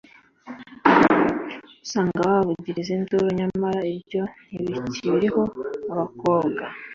ugasanga babavugiriza induru. Nyamara ibyo ntibikiriho. Abakobwa